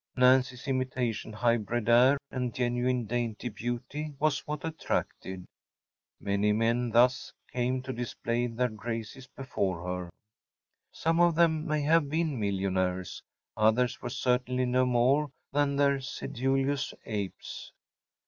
Nancy’s imitation high bred air and genuine dainty beauty was what attracted. Many men thus came to display their graces before her. Some of them may have been millionaires; others were certainly no more than their sedulous apes.